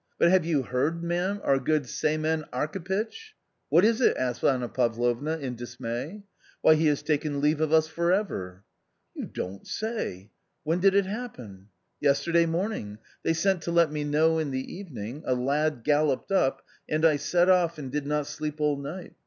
But have you heard, ma'am, our good Semen Arkhipytch ?"" What is it ?" asked Anna Pavlovna, in dismay, " Ah, he has taken leave of us for ever." " You don't say it ? When did it happen ?"" Yesterday morning. They sent to let me know in the evening ; a lad galloped up ; and I set off and did not sleep all night.